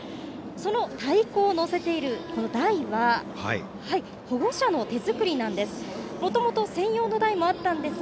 その太鼓を載せている台は保護者の手作りなんです。